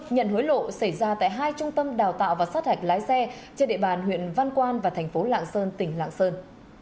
nhận hối lộ xảy ra tại hai trung tâm đào tạo và sát hạch lái xe trên địa bàn huyện văn quan và thành phố lạng sơn tỉnh lạng sơn